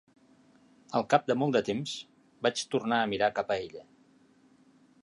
Al cap de molt de temps, vaig tornar a mirar cap a ella.